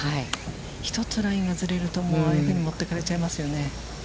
１つラインがずれると、ああいうふうに持っていかれちゃいますよね。